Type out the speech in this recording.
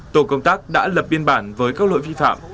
tổ công tác đã lập biên bản với các lỗi vi phạm